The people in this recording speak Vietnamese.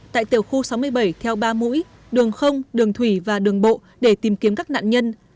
tại tiểu khu sáu mươi bảy theo ba mũi đường đường thủy và đường bộ để tìm kiếm các nạn nhân